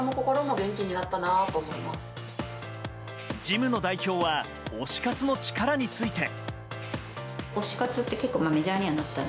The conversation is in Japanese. ジムの代表は推し活の力について。